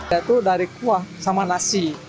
yaitu dari kuah sama nasi